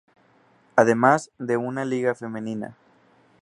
Además, de una liga femenina.